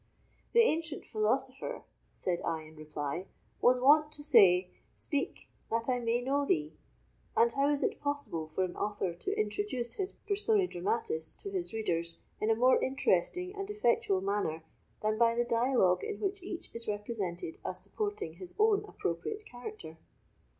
"The ancient philosopher," said I in reply, "was wont to say, 'Speak, that I may know thee'; and how is it possible for an author to introduce his personæ dramatis to his readers in a more interesting and effectual manner than by the dialogue in which each is represented as supporting his own appropriate character?"